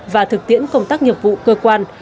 và thực tiễn công tác nghiệp vụ cơ quan